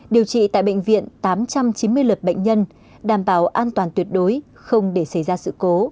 điều trị tại bệnh viện tám trăm chín mươi lượt bệnh nhân